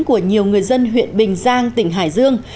của nhiều người dân huyện bình giang tỉnh hải dương